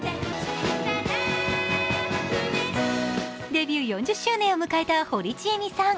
デビュー４０周年を迎えた堀ちえみさん。